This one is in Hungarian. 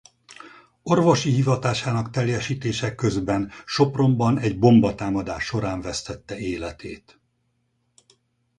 Orvosi hivatásának teljesítése közben Sopronban egy bombatámadás során vesztette életét.